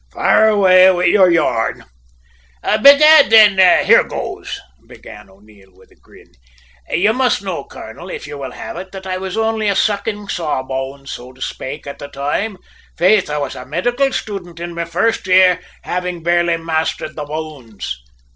"Fire away with your yarn." "Bedad, then, here goes," began O'Neil with a grin. "Ye must know, colonel, if you will have it, that I was only a `sucking sawbones,' so to spake, at the toime. Faith, I was a medical studint in my first year, having barely mastered the bones."